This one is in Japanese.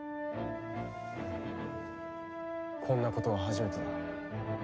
こんなことは初めてだ。